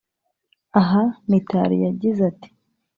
Aha Mitali yagize ati